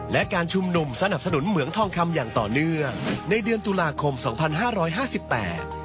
และการชุมนุมสนับสนุนเหมืองทองคำอย่างต่อเนื่องในเดือนตุลาคมสองพันห้าร้อยห้าสิบแปด